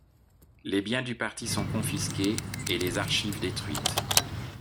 Les biens du parti sont confisqués et les archives détruites.